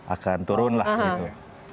akan turun lah gitu ya